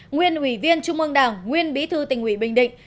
nguyên ủy viên trung ương đảng nguyên bí thư tỉnh ủy bình định